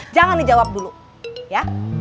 jangan dijawab dulu ya